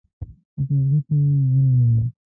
په ټولګي کې یې ولولئ.